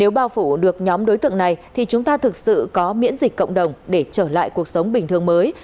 nếu bao phủ được nhóm đối tượng này thì chúng ta thực sự có miễn dịch cộng đồng để trở lại cuộc sống bình thường mới